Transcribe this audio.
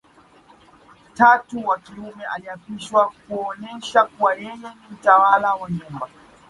Tatu wa kiume aliapishwa kuonesha kuwa yeye ni mtawala wa nyumba